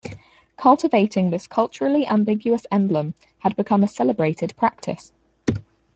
Cultivating this culturally ambiguous emblem had become a celebrated practice.